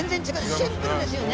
シンプルですよね。